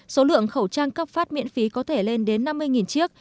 số lượng khẩu trang cấp phát miễn phí có thể lên đến năm mươi chiếc